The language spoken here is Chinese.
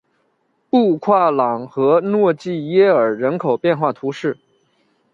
布夸朗和诺济耶尔人口变化图示